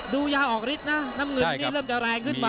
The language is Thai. ดูยาออกฤทธิ์นะน้ำเงินนี่เริ่มจะแรงขึ้นมา